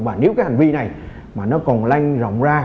và nếu cái hành vi này mà nó còn lanh rộng ra